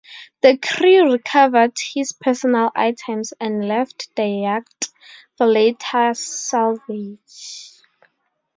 The crew recovered his personal items and left the yacht for later salvage.